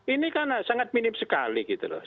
ini kan sangat minim sekali gitu loh